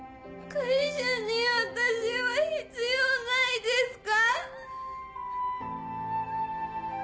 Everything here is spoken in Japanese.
会社に私は必要ないですか？